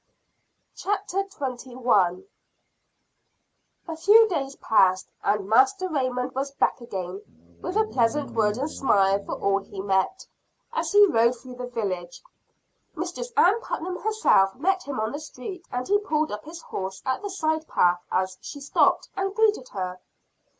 CHAPTER XXI. A Night Interview. A few days passed and Master Raymond was back again; with a pleasant word and smile for all he met, as he rode through the village. Mistress Ann Putnam herself met him on the street and he pulled up his horse at the side path as she stopped, and greeted her.